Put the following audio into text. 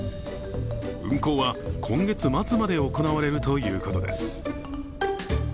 運航は今月末まで行われるということです。